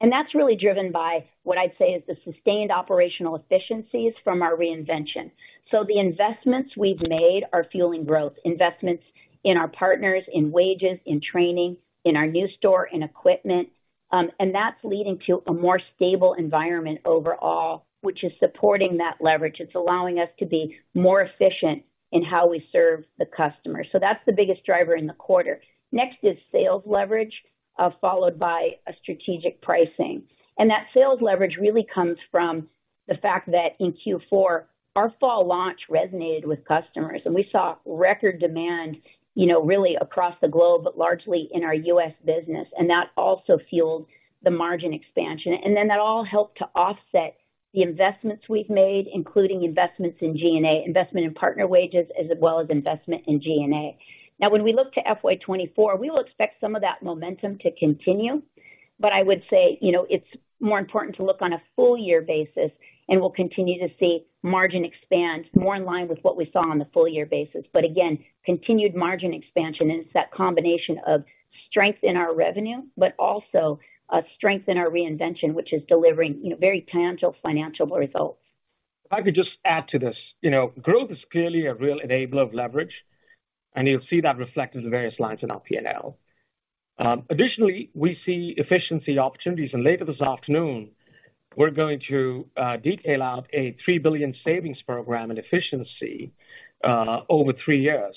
And that's really driven by what I'd say is the sustained operational efficiencies from our reinvention. So the investments we've made are fueling growth, investments in our partners, in wages, in training, in our new store, in equipment, and that's leading to a more stable environment overall, which is supporting that leverage. It's allowing us to be more efficient in how we serve the customer. So that's the biggest driver in the quarter. Next is sales leverage, followed by a strategic pricing. That sales leverage really comes from the fact that in Q4, our fall launch resonated with customers, and we saw record demand, you know, really across the globe, but largely in our U.S. business, and that also fueled the margin expansion. Then that all helped to offset the investments we've made, including investments in G&A, investment in partner wages, as well as investment in G&A. Now, when we look to FY 2024, we will expect some of that momentum to continue. But I would say, you know, it's more important to look on a full year basis, and we'll continue to see margin expand more in line with what we saw on the full year basis. But again, continued margin expansion, and it's that combination of strength in our revenue, but also a strength in our reinvention, which is delivering, you know, very tangible financial results. If I could just add to this. You know, growth is clearly a real enabler of leverage, and you'll see that reflected in the various lines in our P&L. Additionally, we see efficiency opportunities, and later this afternoon, we're going to detail out a $3 billion savings program in efficiency over three years,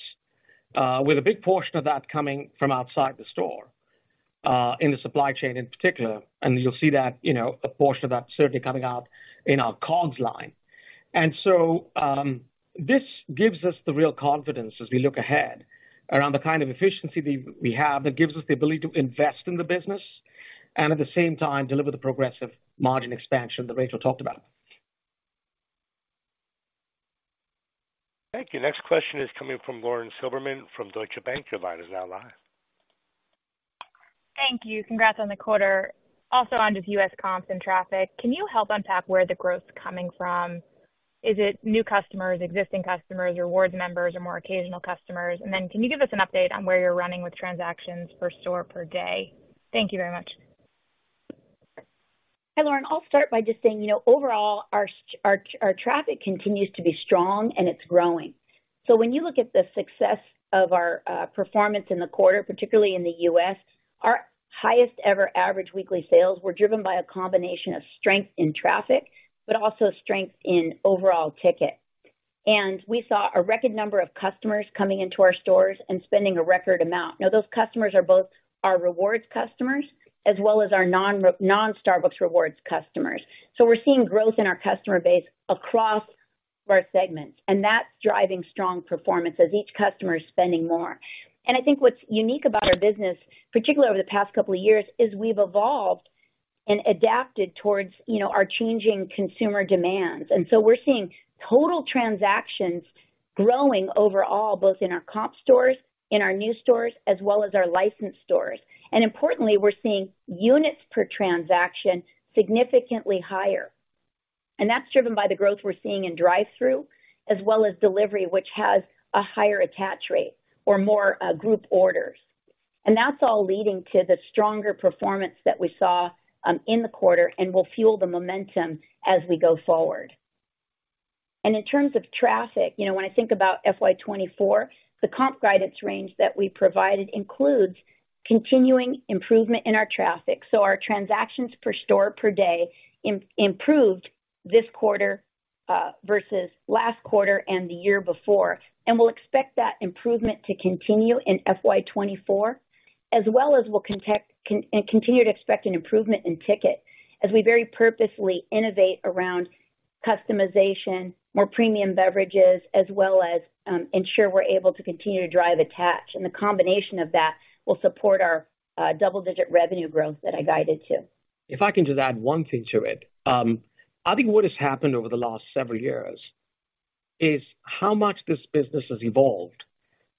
with a big portion of that coming from outside the store, in the supply chain in particular. And you'll see that, you know, a portion of that certainly coming out in our COGS line. And so, this gives us the real confidence as we look ahead around the kind of efficiency we have, that gives us the ability to invest in the business and at the same time, deliver the progressive margin expansion that Rachel talked about. Thank you. Next question is coming from Lauren Silberman from Deutsche Bank. Your line is now live. Thank you. Congrats on the quarter. Also, on just U.S. comps and traffic, can you help unpack where the growth is coming from? Is it new customers, existing customers, rewards members, or more occasional customers? And then can you give us an update on where you're running with transactions per store per day? Thank you very much. Hi, Lauren. I'll start by just saying, you know, overall, our, our traffic continues to be strong, and it's growing. So when you look at the success of our performance in the quarter, particularly in the U.S., our highest-ever average weekly sales were driven by a combination of strength in traffic, but also strength in overall ticket. And we saw a record number of customers coming into our stores and spending a record amount. Now, those customers are both our Rewards customers as well as our non-Rewards, non-Starbucks Rewards customers. So we're seeing growth in our customer base across our segments, and that's driving strong performance as each customer is spending more. And I think what's unique about our business, particularly over the past couple of years, is we've evolved and adapted towards, you know, our changing consumer demands. So we're seeing total transactions growing overall, both in our comp stores, in our new stores, as well as our licensed stores. Importantly, we're seeing units per transaction significantly higher. That's driven by the growth we're seeing in drive-through as well as delivery, which has a higher attach rate or more group orders. That's all leading to the stronger performance that we saw in the quarter and will fuel the momentum as we go forward. In terms of traffic, you know, when I think about FY 2024, the comp guidance range that we provided includes continuing improvement in our traffic. So our transactions per store per day improved this quarter versus last quarter and the year before. We'll expect that improvement to continue in FY 2024, as well as we'll context... Continue to expect an improvement in ticket as we very purposefully innovate around customization, more premium beverages, as well as ensure we're able to continue to drive attach. And the combination of that will support our double-digit revenue growth that I guided to. If I can just add one thing to it. I think what has happened over the last several years is how much this business has evolved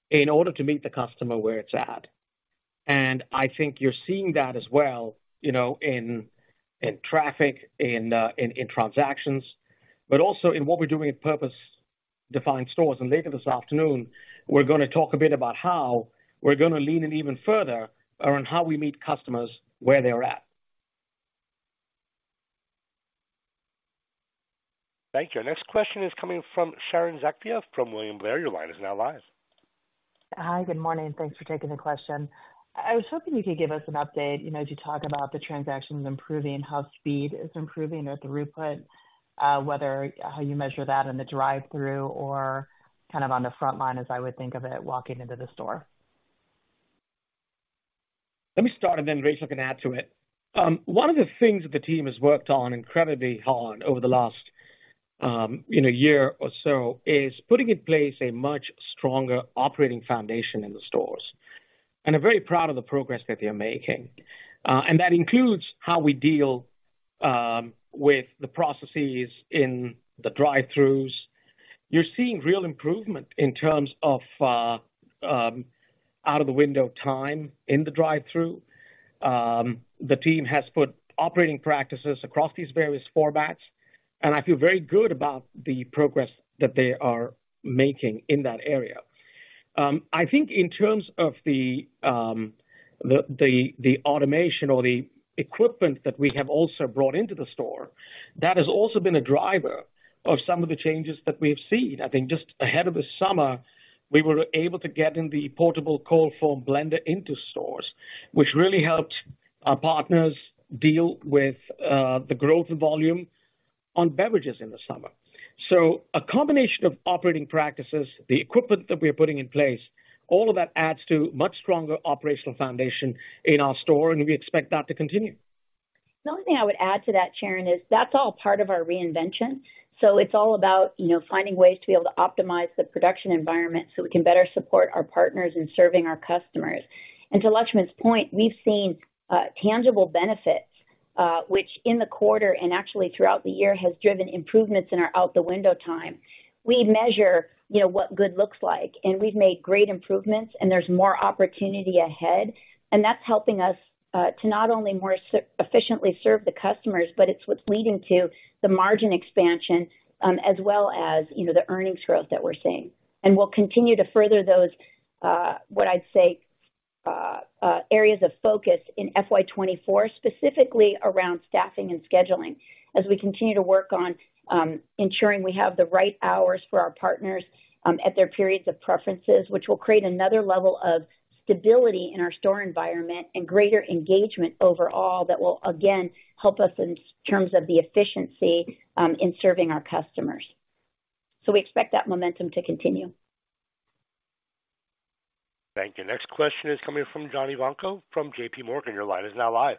in order to meet the customer where it's at. I think you're seeing that as well, you know, in traffic, in transactions, but also in what we're doing in purpose-defined stores. Later this afternoon, we're gonna talk a bit about how we're gonna lean in even further around how we meet customers where they're at. Thank you. Our next question is coming from Sharon Zackfia from William Blair. Your line is now live. Hi, good morning. Thanks for taking the question. I was hoping you could give us an update, you know, as you talk about the transactions improving, how speed is improving at the throughput, whether how you measure that in the drive-through or kind of on the front line, as I would think of it, walking into the store? Let me start, and then Rachel can add to it. One of the things that the team has worked on incredibly hard over the last, you know, year or so is putting in place a much stronger operating foundation in the stores, and I'm very proud of the progress that they are making. And that includes how we deal with the processes in the drive-throughs. You're seeing real improvement in terms of out of the window time in the drive-through. The team has put operating practices across these various formats, and I feel very good about the progress that they are making in that area. I think in terms of the automation or the equipment that we have also brought into the store, that has also been a driver of some of the changes that we have seen. I think just ahead of the summer, we were able to get the portable cold foamer into stores, which really helped our partners deal with the growth in volume on beverages in the summer. So a combination of operating practices, the equipment that we are putting in place, all of that adds to much stronger operational foundation in our store, and we expect that to continue. The only thing I would add to that, Sharon, is that's all part of our reinvention. So it's all about, you know, finding ways to be able to optimize the production environment so we can better support our partners in serving our customers. And to Laxman's point, we've seen tangible benefits, which in the quarter and actually throughout the year, has driven improvements in our out the window time. We measure, you know, what good looks like, and we've made great improvements, and there's more opportunity ahead, and that's helping us to not only more efficiently serve the customers, but it's what's leading to the margin expansion, as well as, you know, the earnings growth that we're seeing. And we'll continue to further those, what I'd say, areas of focus in FY 2024, specifically around staffing and scheduling, as we continue to work on ensuring we have the right hours for our partners at their periods of preferences, which will create another level of stability in our store environment and greater engagement overall that will again help us in terms of the efficiency in serving our customers. So we expect that momentum to continue. Thank you. Next question is coming from John Ivankoe from JP Morgan. Your line is now live.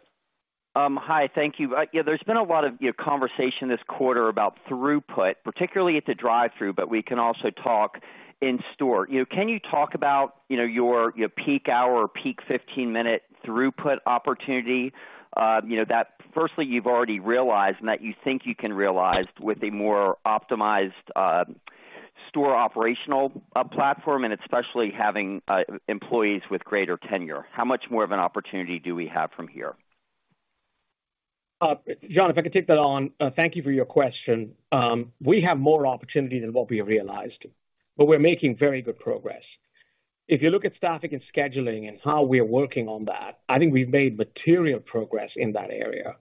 Hi, thank you. Yeah, there's been a lot of, you know, conversation this quarter about throughput, particularly at the drive-through, but we can also talk in store. You know, can you talk about, you know, your, your peak hour or peak 15-minute throughput opportunity? You know, that firstly, you've already realized and that you think you can realize with a more optimized,... store operational platform, and especially having employees with greater tenure, how much more of an opportunity do we have from here? John, if I could take that on. Thank you for your question. We have more opportunity than what we have realized, but we're making very good progress. If you look at staffing and scheduling and how we are working on that, I think we've made material progress in that area.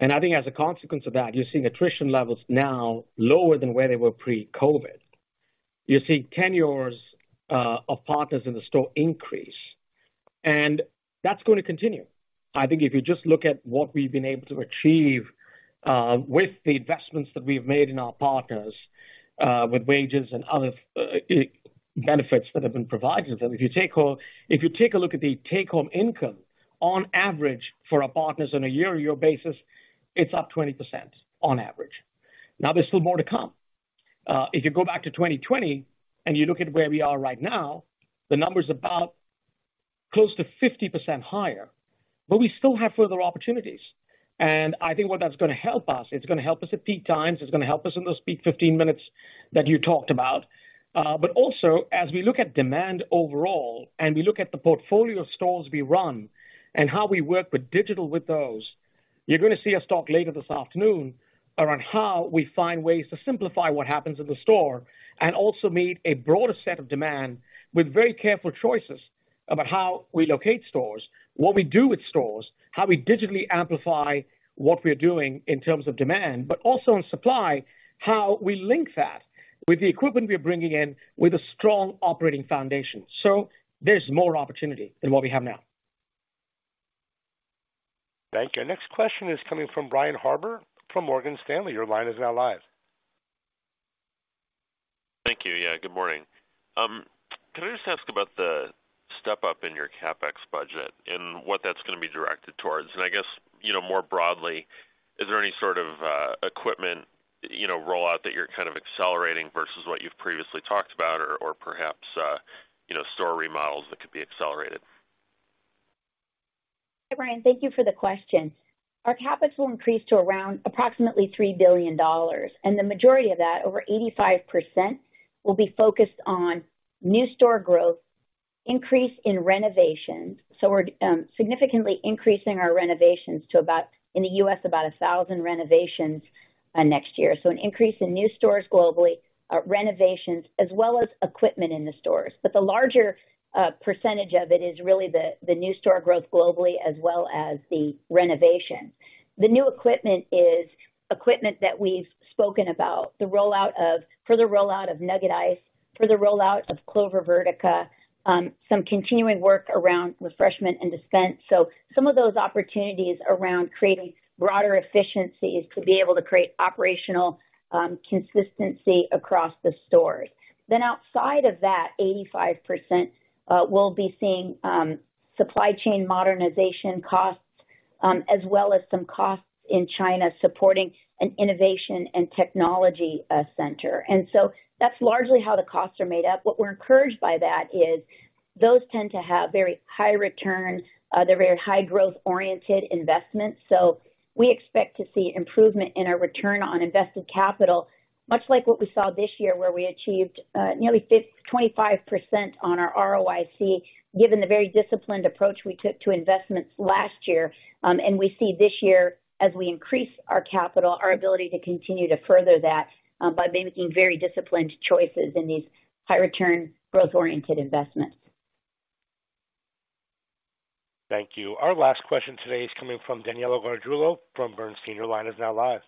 I think as a consequence of that, you're seeing attrition levels now lower than where they were pre-COVID. You're seeing tenures of partners in the store increase, and that's going to continue. I think if you just look at what we've been able to achieve with the investments that we've made in our partners with wages and other benefits that have been provided to them. If you take a look at the take-home income, on average, for our partners on a year-over-year basis, it's up 20% on average. Now, there's still more to come. If you go back to 2020 and you look at where we are right now, the number is about close to 50% higher, but we still have further opportunities. And I think where that's gonna help us, it's gonna help us at peak times, it's gonna help us in those peak 15 minutes that you talked about. But also, as we look at demand overall, and we look at the portfolio of stores we run and how we work with digital with those, you're gonna see a talk later this afternoon around how we find ways to simplify what happens in the store and also meet a broader set of demand with very careful choices about how we locate stores, what we do with stores, how we digitally amplify what we're doing in terms of demand, but also in supply, how we link that with the equipment we're bringing in with a strong operating foundation. So there's more opportunity than what we have now. Thank you. Next question is coming from Brian Harbour, from Morgan Stanley. Your line is now live. Thank you. Yeah, good morning. Can I just ask about the step-up in your CapEx budget and what that's gonna be directed towards? And I guess, you know, more broadly, is there any sort of equipment, you know, rollout that you're kind of accelerating versus what you've previously talked about or perhaps, you know, store remodels that could be accelerated? Hey, Brian, thank you for the question. Our CapEx will increase to around approximately $3 billion, and the majority of that, over 85%, will be focused on new store growth, increase in renovations. So we're significantly increasing our renovations to about, in the U.S., about 1,000 renovations next year. So an increase in new stores globally, renovations, as well as equipment in the stores. But the larger percentage of it is really the new store growth globally as well as the renovation. The new equipment is equipment that we've spoken about, the rollout of further rollout of nugget ice, further rollout of Clover Vertica, some continuing work around refreshment and dispense. So some of those opportunities around creating broader efficiencies to be able to create operational consistency across the stores. Then outside of that 85%, we'll be seeing supply chain modernization costs, as well as some costs in China, supporting an innovation and technology center. And so that's largely how the costs are made up. What we're encouraged by that is those tend to have very high returns. They're very high growth-oriented investments, so we expect to see improvement in our return on invested capital, much like what we saw this year, where we achieved nearly 25% on our ROIC, given the very disciplined approach we took to investments last year. And we see this year, as we increase our capital, our ability to continue to further that, by making very disciplined choices in these high return, growth-oriented investments. Thank you. Our last question today is coming from Danilo Gargiulo from Bernstein. Your line is now live.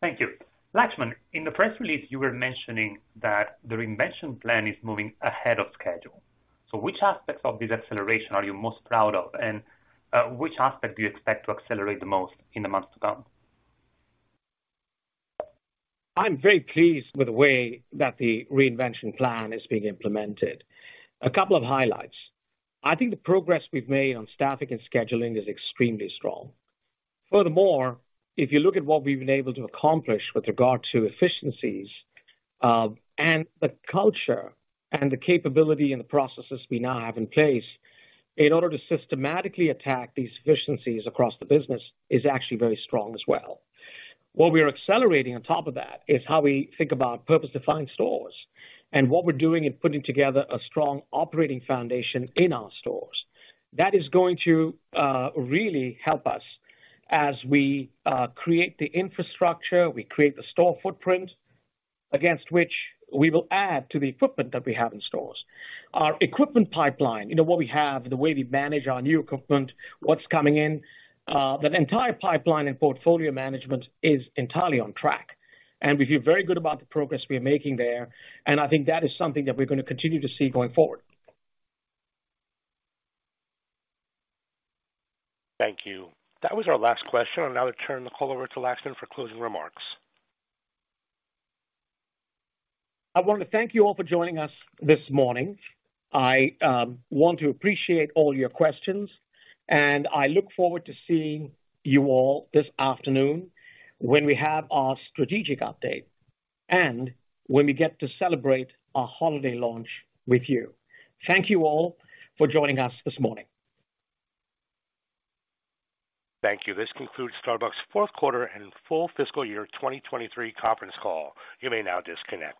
Thank you. Laxman, in the press release, you were mentioning that the reinvention plan is moving ahead of schedule. So which aspects of this acceleration are you most proud of, and which aspect do you expect to accelerate the most in the months to come? I'm very pleased with the way that the reinvention plan is being implemented. A couple of highlights. I think the progress we've made on staffing and scheduling is extremely strong. Furthermore, if you look at what we've been able to accomplish with regard to efficiencies, and the culture and the capability and the processes we now have in place, in order to systematically attack these efficiencies across the business is actually very strong as well. What we are accelerating on top of that is how we think about purpose-defined stores, and what we're doing in putting together a strong operating foundation in our stores. That is going to really help us as we create the infrastructure, we create the store footprint against which we will add to the equipment that we have in stores. Our equipment pipeline, you know, what we have, the way we manage our new equipment, what's coming in, that entire pipeline and portfolio management is entirely on track, and we feel very good about the progress we are making there, and I think that is something that we're going to continue to see going forward. Thank you. That was our last question. I'll now turn the call over to Laxman for closing remarks. I want to thank you all for joining us this morning. I want to appreciate all your questions, and I look forward to seeing you all this afternoon when we have our strategic update, and when we get to celebrate our holiday launch with you. Thank you all for joining us this morning. Thank you. This concludes Starbucks' fourth quarter and full fiscal year 2023 conference call. You may now disconnect.